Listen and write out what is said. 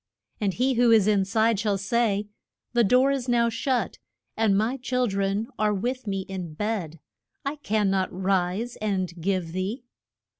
And he who is in side shall say, The door is now shut, and my chil dren are with me in bed; I can not rise and give thee.